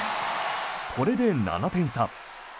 これで７点差。